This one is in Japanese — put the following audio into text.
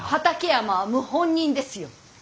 畠山は謀反人ですよ！